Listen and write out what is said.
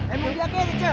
emang dia kere cel